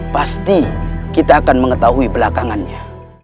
pasti kita akan mengetahui belakangannya